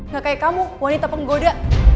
gak kayak kamu wanita penggoda